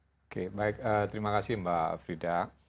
oke baik terima kasih mbak frida